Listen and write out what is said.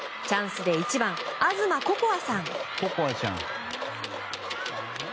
チャンスで１番、東ここあさん。